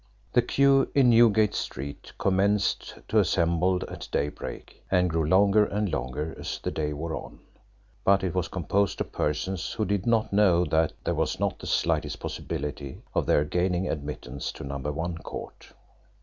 The queue in Newgate Street commenced to assemble at daybreak, and grew longer and longer as the day wore on, but it was composed of persons who did not know that there was not the slightest possibility of their gaining admittance to Number One Court.